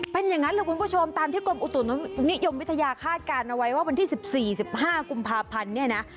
เป็นอย่างนั้นแหละคุณผู้ชมตามที่กรมอุตุนิยมวิทยาคาดการณ์เอาไว้ว่าวันที่๑๔๑๕กุมภาพันธ์เนี่ยนะ